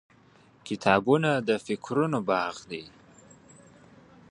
• کتابونه د فکرونو باغ دی.